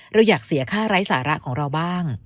เราอยากเสียค่าไร้สาระของเราบ้าง